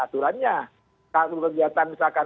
aturannya kalau kegiatan misalkan